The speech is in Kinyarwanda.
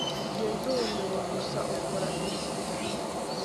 Njye ndumiwe gusa ukora igicu